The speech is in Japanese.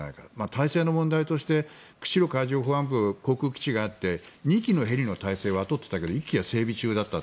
体制の問題として釧路海上保安部航空基地があって２機のヘリの体制は取っていたけど１機は整備中だった。